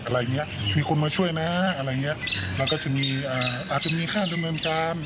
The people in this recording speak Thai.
อะไรอย่างเงี้ยมีคนมาช่วยนะอะไรอย่างเงี้ยเราก็จะมีอ่าอาจจะมีค่าดำเนินการ